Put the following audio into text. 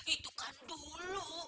itu kan dulu